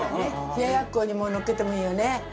冷奴にものっけてもいいよね。